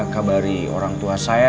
kabari orang tua saya